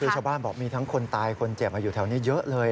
คือชาวบ้านบอกมีทั้งคนตายคนเจ็บอยู่แถวนี้เยอะเลย